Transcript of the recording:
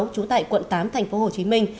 chú tại quận tám thành phố hồ chí minh